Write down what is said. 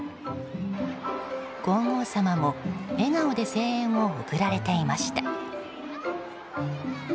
皇后さまも笑顔で声援を送られていました。